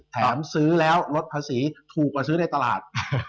ซื้อแล้วลดภาษีถูกกว่าซื้อในตลาด